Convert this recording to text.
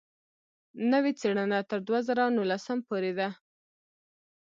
نوې څېړنه تر دوه زره نولسم پورې ده.